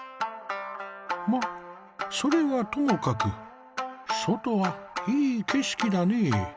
それはともかく外はいい景色だねえ。